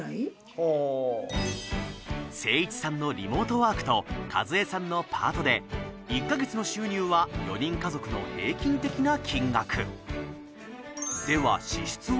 誠一さんのリモートワークと一恵さんのパートで１か月の収入は４人カゾクの平均的な金額では支出は？